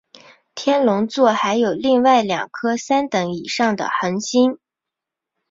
天龙座还有另外两颗三等以上的恒星。